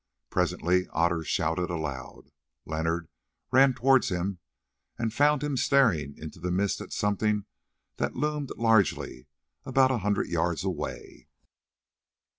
Presently Otter shouted aloud. Leonard ran towards him, and found him staring into the mist at something that loomed largely about a hundred yards away.